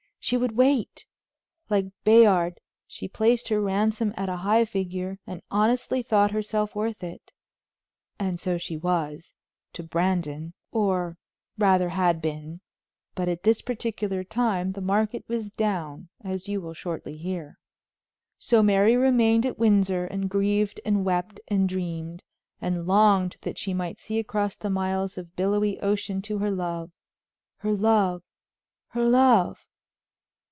She would wait! Like Bayard she placed her ransom at a high figure, and honestly thought herself worth it. And so she was to Brandon, or rather had been. But at this particular time the market was down, as you will shortly hear. So Mary remained at Windsor and grieved and wept and dreamed, and longed that she might see across the miles of billowy ocean to her love! her love! her love!